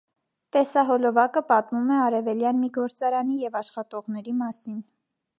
Տեսահոլովակը պատմում է արևելյան մի գործարանի և աշխատողների մասին։